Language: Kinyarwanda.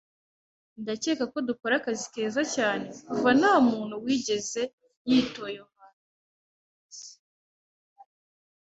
Ndakeka ko dukora akazi keza cyane kuva ntamuntu wigeze yitoyohaniba.